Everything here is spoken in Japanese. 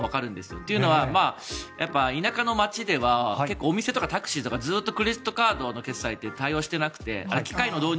というのは田舎の町では結構お店とかタクシーとかずっとクレジットカードの決済って対応していなくて。